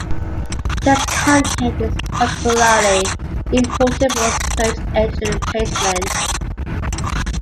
Text content is particularly important for search engine placement.